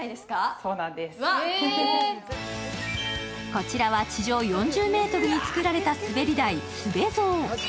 こちらは地上４０ｍにつくられた滑り台・すべＺＯ。